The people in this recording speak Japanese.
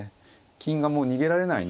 金がもう逃げられないんで。